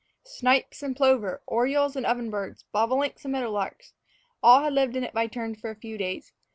Snipes and plover, orioles and ovenbirds, bobolinks and meadow larks, all had lived in it by turns for a few days.